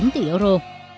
một mươi chín tỷ euro